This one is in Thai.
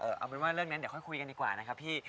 เอาเป็นว่าเรื่องนั้นเดี๋ยวค่อยคุยกันดีกว่านะครับพี่